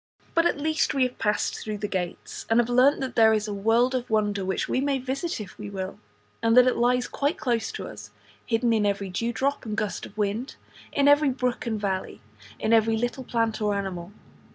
But at least we have passed through the gates, and have learnt that there is a world of wonder which we may visit if we will; and that it lies quite close to us, hidden in every dewdrop and gust of wind, in every brook and valley, in every little plant or animal.